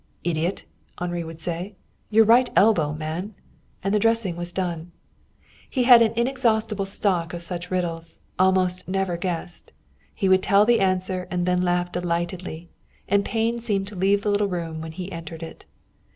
"Idiot!" Henri would say. "Your right elbow, man!" And the dressing was done. He had an inexhaustible stock of such riddles, almost never guessed. He would tell the answer and then laugh delightedly. And pain seemed to leave the little room when he entered it.